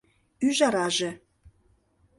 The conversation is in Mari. Ӱжараже